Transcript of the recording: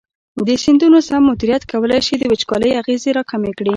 د سیندونو سم مدیریت کولی شي د وچکالۍ اغېزې راکمې کړي.